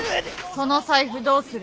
その財布どうする？